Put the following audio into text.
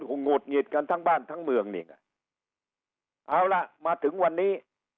หงุดหงิดกันทั้งบ้านทั้งเมืองนี่ไงเอาล่ะมาถึงวันนี้